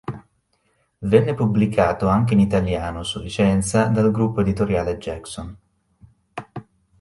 Venne pubblicato anche in italiano, su licenza, dal Gruppo Editoriale Jackson.